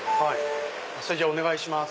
それじゃあお願いします。